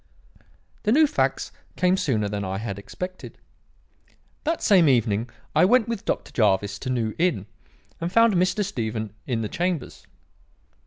"The new facts came sooner than I had expected. That same evening I went with Dr. Jervis to New Inn and found Mr. Stephen in the chambers.